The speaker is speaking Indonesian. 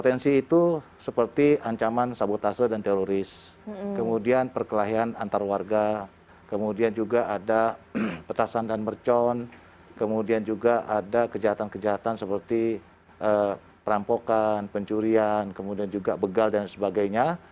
potensi itu seperti ancaman sabotase dan teroris kemudian perkelahian antar warga kemudian juga ada petasan dan mercon kemudian juga ada kejahatan kejahatan seperti perampokan pencurian kemudian juga begal dan sebagainya